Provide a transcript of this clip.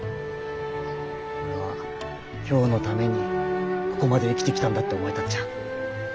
俺は今日のためにここまで生きてきたんだって思えたっちゃ。